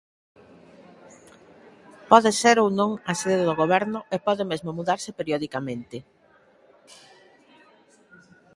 Pode ser ou non a sede do goberno e pode mesmo mudarse periodicamente.